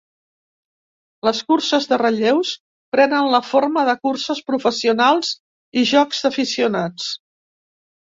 Les curses de relleus prenen la forma de curses professionals i jocs d'aficionats.